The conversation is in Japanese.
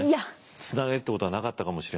つなげるってことはなかったかもしれないし。